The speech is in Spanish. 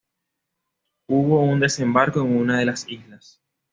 Hubo un desembarco en una de las islas.